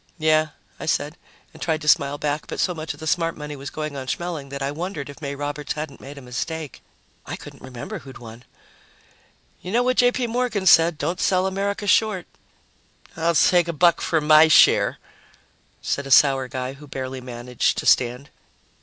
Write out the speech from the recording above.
"Yeah," I said, and tried to smile back, but so much of the smart money was going on Schmeling that I wondered if May Roberts hadn't made a mistake. I couldn't remember who had won. "You know what J. P. Morgan said don't sell America short." "I'll take a buck for my share," said a sour guy who barely managed to stand.